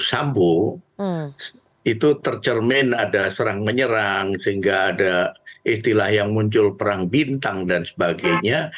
sambo itu tercermin ada serang menyerang sehingga ada istilah yang muncul perang bintang dan sebagainya